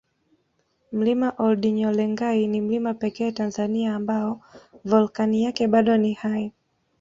Mlima oldinyolengai ni mlima pekee Tanzania ambao volkani yake bado ni hai